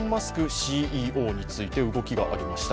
ＣＥＯについて動きがありました。